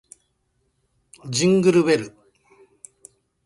ジングルベル